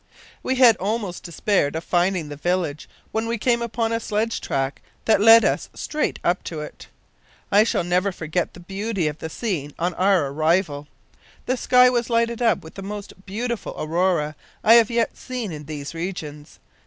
"We had almost despaired of finding the village when we came upon a sledge track that led us straight up to it. I shall never forget the beauty of the scene on our arrival. The sky was lighted up with the most beautiful aurora I have yet seen in these regions.